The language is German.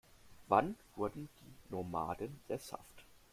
Wann wurden die Nomaden sesshaft?